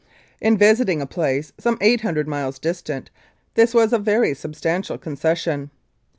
In visiting a place some 800 miles distant this was a very substantial concession.